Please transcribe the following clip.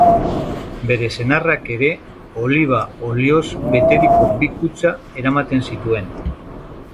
Bere senarrak ere, oliba olioz beteriko bi kutxa eramaten zituen.